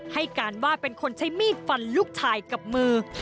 ให้การว่าเป็นคนใช้มีดฟันลูกชายกับมือ